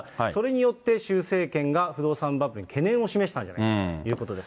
それによって、習政権が不動産バブルに懸念を示したんじゃないかということです。